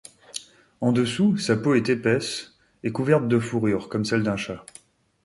En-dessous, sa peau est épaisse et couverte de fourrure comme celle d’un chat.